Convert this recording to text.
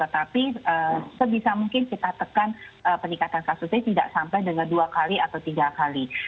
tapi sebisa mungkin kita tekan peningkatan kasusnya tidak sampai dengan dua kali atau tiga kali